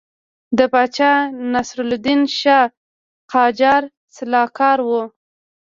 د پاچا ناصرالدین شاه قاجار سلاکار وو.